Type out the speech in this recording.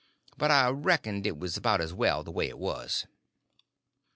But I reckoned it was about as well the way it was.